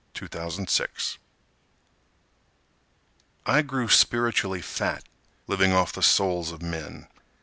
Robert Davidson I grew spiritually fat living off the souls of men.